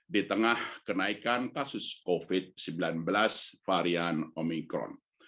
di tengah kenaikan kasus covid sembilan belas varian omikron